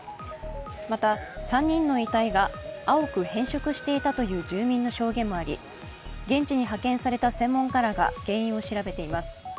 また、３人の遺体が青く変色していたという住民の証言もあり、現地に派遣された専門家らが原因を調べています。